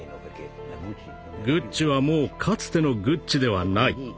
グッチはもうかつてのグッチではない。